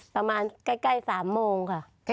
ต่อมาใกล้๓โมงค่ะ